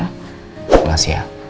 terima kasih ya